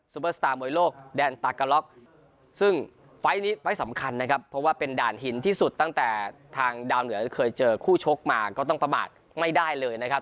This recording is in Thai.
เบอร์สตาร์มวยโลกแดนตากะล็อกซึ่งไฟล์นี้ไฟล์สำคัญนะครับเพราะว่าเป็นด่านหินที่สุดตั้งแต่ทางดาวเหนือเคยเจอคู่ชกมาก็ต้องประมาทไม่ได้เลยนะครับ